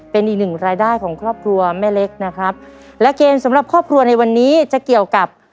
เป็นอีกหนึ่งรายได้ของครอบครัวแม่เล็กนะครับและเกมสำหรับครอบครัวในวันนี้จะเกี่ยวกับ